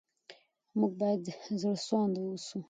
موږ باید زړه سوانده اوسو.